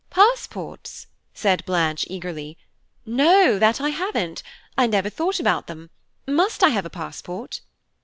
"Passports!" said Blanche eagerly, "no, that I haven't. I never thought about them. Must I have a passport?"